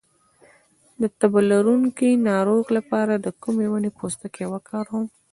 د تبه لرونکي ناروغ لپاره د کومې ونې پوستکی وکاروم؟